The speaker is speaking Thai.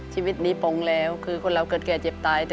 ชีวิตนี้ปงแล้วคือคนเราเกิดแก่เจ็บตาย